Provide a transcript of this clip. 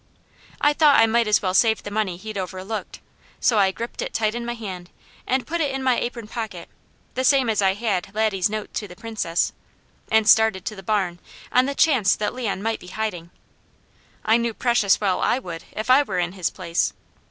I thought I might as well save the money he'd overlooked, so I gripped it tight in my hand, and put it in my apron pocket, the same as I had Laddie's note to the Princess, and started to the barn, on the chance that Leon might be hiding. I knew precious well I would, if I were in his place.